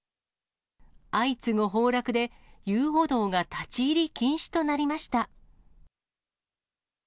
相次ぐ崩落で、遊歩道が立ち入り禁止となりました。